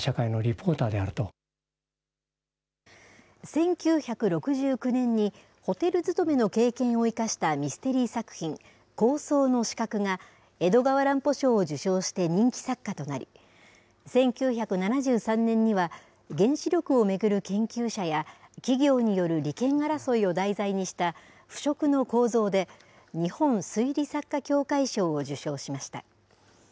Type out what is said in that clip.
１９６９年に、ホテル勤めの経験を生かしたミステリー作品、高層の死角が、江戸川乱歩賞を受賞して人気作家となり、１９７３年には、原子力を巡る研究者や企業による利権争いを題材にした腐蝕の構造で、日本推理作家協会賞を受賞しました。